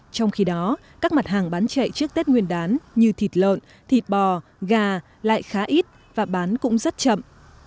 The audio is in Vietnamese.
trong khi đó các mặt hàng bán chạy trước tết nguyên đán như thịt lợn thịt bò gà lại khá ít và bán cũng rất chậm